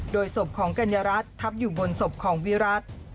โดยศพของกัญญารัฐทับอยู่บนศพของวิรัติ